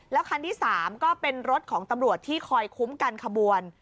คันที่๓ก็เป็นรถของตำรวจที่คอยคุ้มกันขบวน